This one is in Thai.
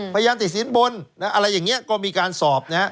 พยายามติดสินบนอะไรอย่างนี้ก็มีการสอบ